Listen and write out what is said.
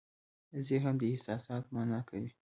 ذهن دا احساسات مانا کوي.